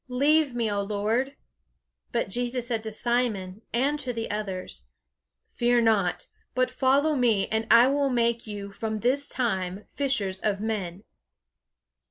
Leave me, O Lord." But Jesus said to Simon, and to the others, "Fear not; but follow me, and I will make you from this time fishers of men."